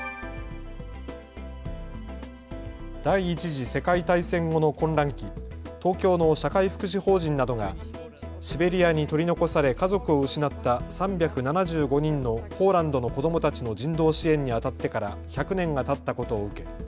第１次世界大戦後の混乱期、東京の社会福祉法人などがシベリアに取り残され家族を失った３７５人のポーランドの子どもたちの人道支援にあたってから１００年がたったことを受け